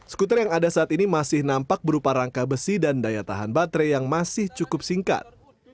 skuter yang ada saat ini masih nampak berupa rangka besi dan daya tahan baterai yang masih cukup singkat